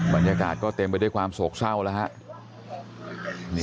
บรรยากาศก็เต็มไปด้วยความโศกเช่านะฮะ